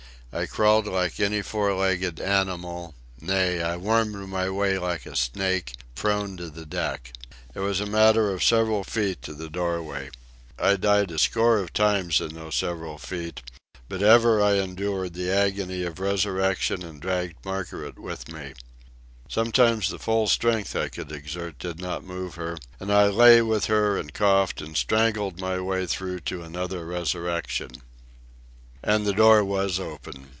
I crawled like any four legged animal—nay, I wormed my way like a snake, prone to the deck. It was a matter of several feet to the doorway. I died a score of times in those several feet; but ever I endured the agony of resurrection and dragged Margaret with me. Sometimes the full strength I could exert did not move her, and I lay with her and coughed and strangled my way through to another resurrection. And the door was open.